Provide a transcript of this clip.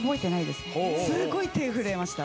すごい手震えました。